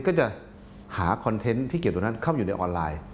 ก็จะหาคอนเทนต์ที่เกี่ยวตรงนั้นเข้าอยู่ในออนไลน์